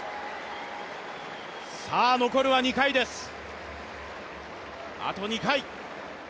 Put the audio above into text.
残るは２回です、あと２回。